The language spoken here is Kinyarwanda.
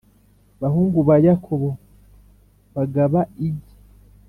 bahungu ba Yakobo bagaba igi